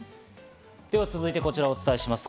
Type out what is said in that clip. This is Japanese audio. では続いて、こちらをお伝えします。